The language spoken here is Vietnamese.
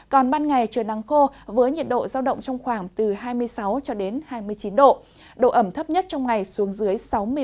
còn ban ngày trời nắng khô với nhiệt độ giao động trong khoảng từ hai mươi sáu cho đến hai mươi chín độ độ ẩm thấp nhất trong ngày xuống dưới sáu mươi năm